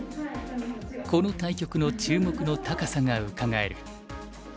この対局の注目の高さがうかがえる。